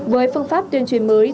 với phương pháp tuyên truyền mới